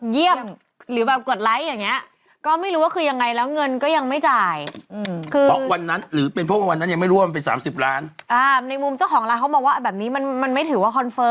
เยี่ยมหรือแบบกดไลค์อย่างเนี้ย